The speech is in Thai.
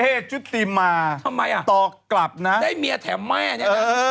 เอ๋ชุติมาต่อกลับนะได้เมียแถวแม่เนี่ยนะ